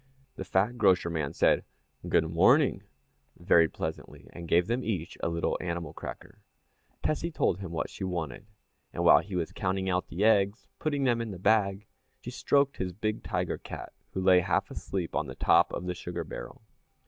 The fat grocer man said good morning very pleasantly, and gave them each a little animal cracker. Tessie told him what she wanted, and while he was counting out the eggs and putting them in the bag, she stroked his big tiger cat, who lay half asleep on the top of the sugar barrel.